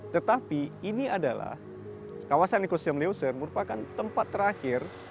tetapi ini adalah kawasan ekosium leuser merupakan tempat terakhir